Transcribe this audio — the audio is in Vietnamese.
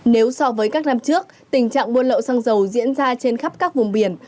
nếu so với các năm trước tình trạng mua lậu sang dầu diễn ra trên khắp các vùng biển